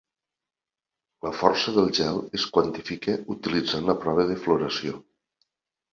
La força del gel es quantifica utilitzant la prova de floració.